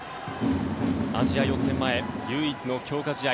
アジア予選前唯一の強化試合